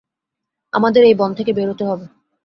আমাদের এই বন থেকে বেরোতে হবে।